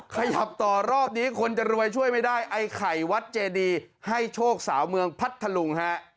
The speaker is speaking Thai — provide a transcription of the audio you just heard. ขยับต่อรอบนี้คนจะรวยช่วยไม่ได้ไอ้ไข่วัดเจดีให้โชคสาวเมืองพัทธลุงฮะ